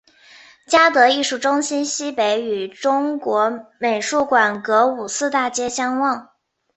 嘉德艺术中心西北与中国美术馆隔五四大街相望。